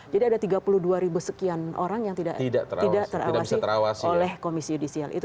jadi ada tiga puluh dua sekian orang yang tidak terawasi oleh komisi judisial